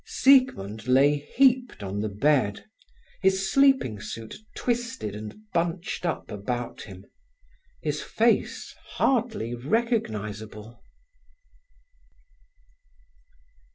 Siegmund lay heaped on the bed, his sleeping suit twisted and bunched up about him, his face hardly recognizable.